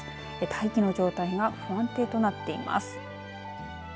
大気の状態が不安定となっています。